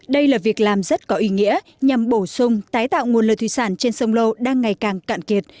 đây là việc làm rất có ý nghĩa nhằm bổ sung tái tạo nguồn lợi thủy sản trên sông lô đang ngày càng cạn kiệt